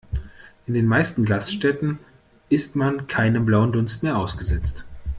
In den meisten Gaststätten ist man keinem blauen Dunst mehr ausgesetzt.